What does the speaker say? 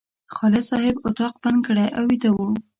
خالد صاحب اتاق بند کړی او ویده و.